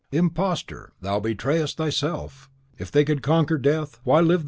"Imposter, thou betrayest thyself! If they could conquer Death, why live they not yet?"